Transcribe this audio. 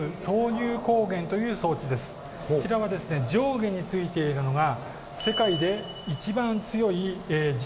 こちら上下についているのが。